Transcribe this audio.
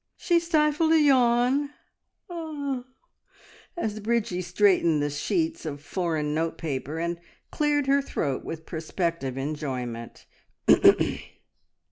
She stifled a yawn as Bridgie straightened the sheets of foreign note paper, and cleared her throat with prospective enjoyment.